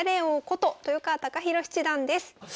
王こと豊川孝弘七段です。